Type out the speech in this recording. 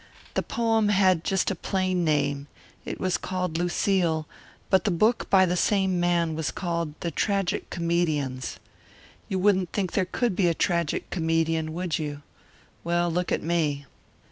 The poem had just a plain name; it was called 'Lucile,' but the book by the same man was called 'The Tragic Comedians.' You wouldn't think there could be a tragic comedian would you? well, look at me."